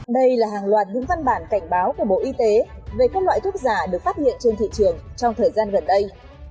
đây là hàng loạt những văn bản cảnh báo của bộ y tế về các loại thuốc giả được phát hiện trên thị trường trong thời gian gần đây